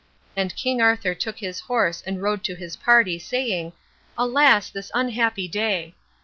And King Arthur took his horse, and rode to his party, saying, "Alas, this unhappy day!"